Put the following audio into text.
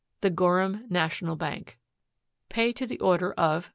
THE GORHAM NATIONAL BANK Pay to the order of.......